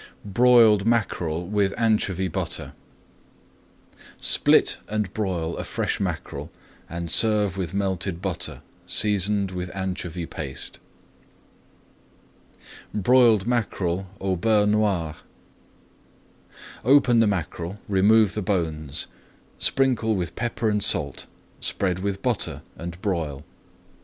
BROILED MACKEREL WITH ANCHOVY BUTTER Split and broil a fresh mackerel and serve with melted butter, seasoned with anchovy paste. BROILED MACKEREL AU BEURRE NOIR Open the mackerel, remove the bones, sprinkle with pepper and salt, spread with butter, and broil.